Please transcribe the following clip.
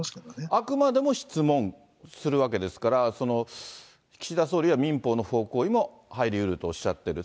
あくまでも質問するわけですから、岸田総理は民法の不法行為にも入りうるとおっしゃっている。